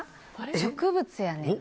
植物やねん。